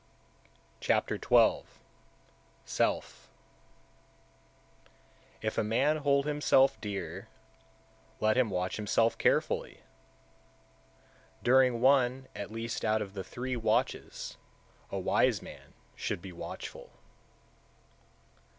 Chapter XII. Self 157. If a man hold himself dear, let him watch himself carefully; during one at least out of the three watches a wise man should be watchful.